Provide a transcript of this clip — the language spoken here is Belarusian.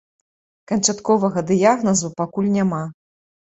Канчатковага дыягназу пакуль няма.